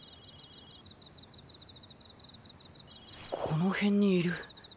この辺にいる。